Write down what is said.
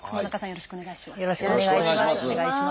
よろしくお願いします。